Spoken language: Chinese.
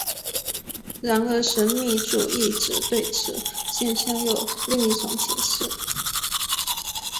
然而神秘主义者对此现象又有另一种解释。